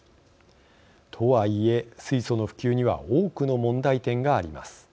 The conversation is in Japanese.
とは言え、水素の普及には多くの問題点があります。